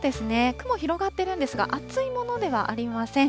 雲、広がっているんですが、厚いものではありません。